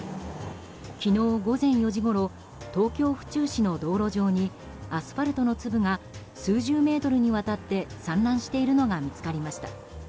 昨日午前４時ごろ東京・府中市の道路上にアスファルトの粒が数十メートルにわたって散乱しているのが見つかりました。